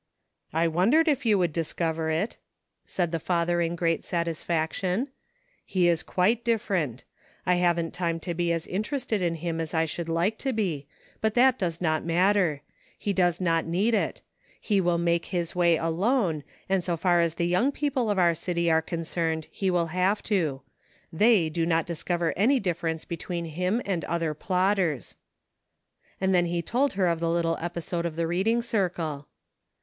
" I wondered if you would discover it," said the father in great satisfaction, " He is quite different. I haven't time to be as interested in him as I should like to be, but that does not matter ; he does not need it ; he will make his way alone, and so far as the young people of our city are concerned, he will have to ; they do not discover any difference between him and other plodders." Then he told her the little episode of the reading circle.